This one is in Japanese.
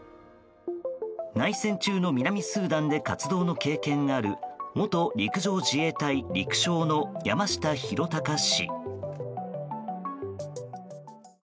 内戦中の南スーダンで活動の経験がある元陸上自衛隊陸将の山下裕貴氏。